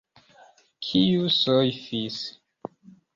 Kiu soifis?